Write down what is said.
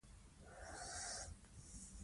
پوهنتونونه باید په پښتو ژبه علمي سرچینې ولري.